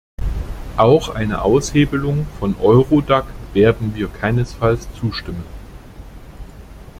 Auch einer Aushebelung von Eurodac werden wir keinesfalls zustimmen.